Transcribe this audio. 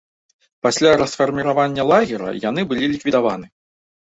Пасля расфарміравання лагера, яны былі ліквідаваны.